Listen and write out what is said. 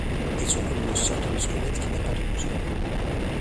Elles sont comme une sorte de squelette qui n'a pas de muscles.